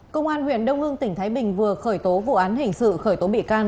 công an huyện đông hưng tỉnh thái bình vừa khởi tố vụ án hình sự khởi tố bị can